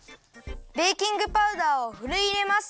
ベーキングパウダーをふるいいれます。